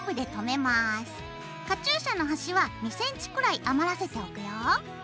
カチューシャの端は２ｃｍくらい余らせておくよ。